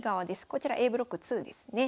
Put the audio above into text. こちらＡブロック２ですね。